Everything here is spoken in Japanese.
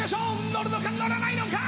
のるのかのらないのか？